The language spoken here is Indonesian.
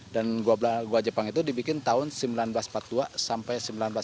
dan gua jepang itu dibikin tahun seribu sembilan ratus empat puluh dua sampai seribu sembilan ratus empat puluh lima